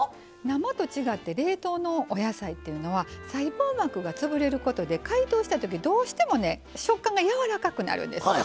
生と違って冷凍のお野菜っていうのは細胞膜が潰れることで解凍したときどうしてもね食感がやわらかくなるんですわ。